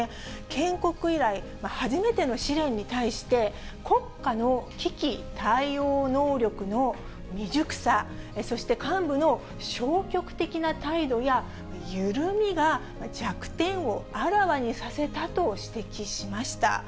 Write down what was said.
建国以来初めての試練に対して、国家の危機対応能力の未熟さ、そして幹部の消極的な態度や緩みが弱点をあらわにさせたと指摘しました。